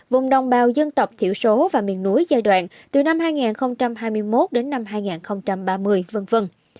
vùng đồng bào dân tộc thiểu số và miền núi giai đoạn từ năm hai nghìn hai mươi một đến năm hai nghìn ba mươi v v